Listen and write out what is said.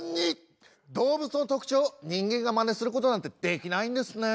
動物の特徴を人間がまねすることなんてできないんですね。